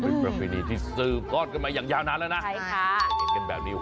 เป็นปรัฟเมียสือกรอดไปอย่างยาวนานแล้วนะ